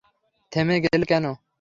থেমে গেলে কেন?